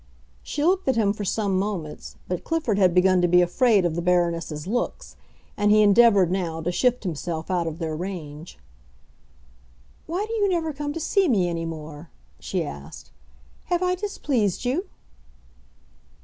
She looked at him for some moments; but Clifford had begun to be afraid of the Baroness's looks, and he endeavored, now, to shift himself out of their range. "Why do you never come to see me any more?" she asked. "Have I displeased you?"